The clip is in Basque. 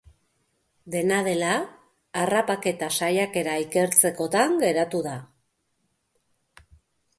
Dena dela, harrapaketa saiakera ikertzekotan geratu da.